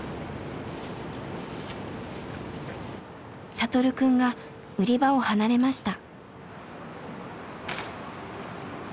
聖くんが売り場を離れました。